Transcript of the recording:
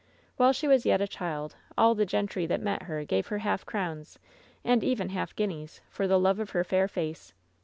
While she was yet a child all the gentry that met her gave her half crowns, and even half guineas, for the love of her fair face.